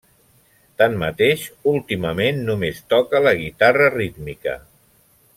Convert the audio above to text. Tanmateix, últimament només toca la guitarra rítmica.